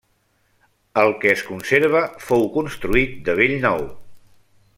El que es conserva fou construït de bell nou.